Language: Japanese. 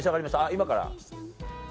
今から？